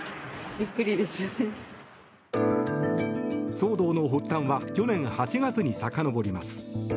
騒動の発端は去年８月にさかのぼります。